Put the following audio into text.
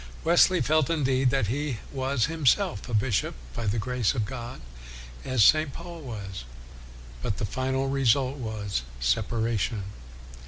Wesley felt, indeed, that he was himself a bishop by the grace of God, as St. Paul was. But the final result was separation.